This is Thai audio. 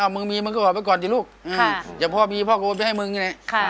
มึงมีมึงก็ออกไปก่อนสิลูกอย่าพ่อมีพ่อก็โอนไปให้มึงไง